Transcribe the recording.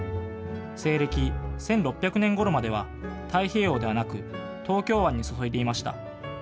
西暦１６００年ごろまでは太平洋ではなく東京湾に注いでいました。